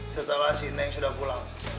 setelah si neng sudah pulang